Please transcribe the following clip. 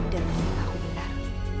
dan aku benar